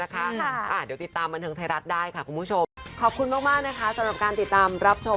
ความขลังความแบบโห